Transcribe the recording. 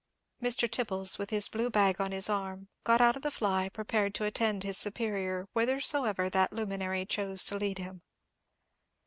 Mr. Tibbles, with his blue bag on his arm, got out of the fly, prepared to attend his superior whithersoever that luminary chose to lead him.